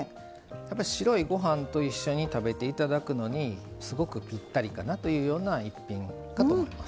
白いご飯と一緒に食べていただくのにすごくぴったりかなというような一品かと思います。